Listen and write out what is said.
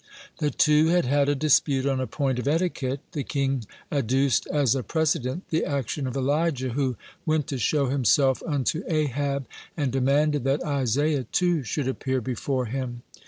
The two had had a dispute on a point of etiquette. (73) The king adduced as a precedent the action of Elijah, who "went to show himself unto Ahab," and demanded that Isaiah, too, should appear before him.